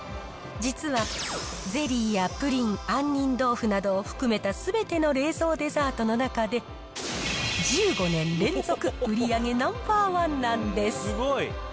実は、ゼリーやプリン、杏仁豆腐などを含めたすべての冷蔵デザートの中で、１５年連続売り上げナンバー１なんです。